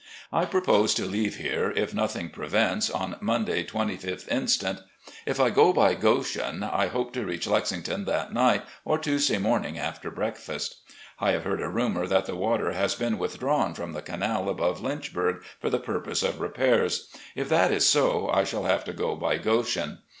I propose to leave here, if nothing prevents, on Monday, 2Sth inst. If I go by Goshen, I hope to reach Lexington that night, or Tuesday morning after breakfast. I have heard a rumour that the water has been withdrawn from the canal above Lynchburg for the purpose of repairs. If that is so, I shall have to go by Goshen.